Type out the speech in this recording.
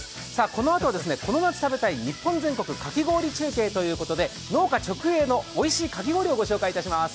このあとはこの夏食べたい日本全国かき氷中継ということで農家直営のおいしいかき氷をご紹介します。